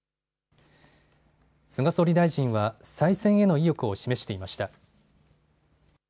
菅総理大臣は再選への意欲を示していました。